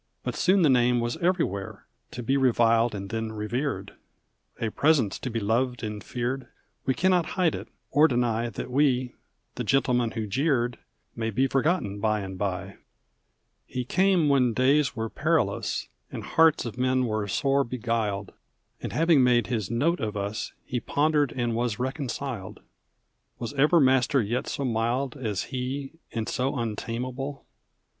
But soon the name was everywhere, To be reviled and then revered: A presence to be loved and feared, We cannot hide it, or deny That we, the gentlemen who jeered. May be forgotten by and by. * Supposed to have been written not long After the Civil War. |3| He came when days were perilous And hearts of men were sore beguiled; And having made his note of us, He pondered and was reconciled. Was ever master yet so mild As he, and so untamable?